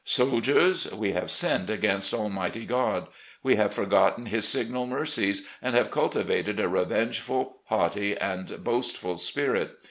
Soldiers ! we have sinned against Almighty God. We have forgotten His signal mercies, and have cultivated a revengeful, haughty, and boastful spirit.